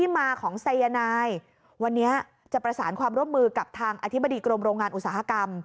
มาของสายนายวันนี้จะประสานความร่วมมือกับทางอธิบดีกรมโรงงานอุตสาหกรรม